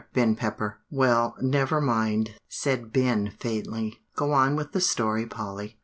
Ben Pepper." "Well, never mind," said Ben faintly; "go on with the story, Polly."